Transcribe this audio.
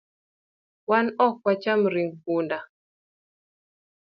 Wan ok wacham ring punda